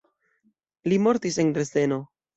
Li mortis en Dresdeno.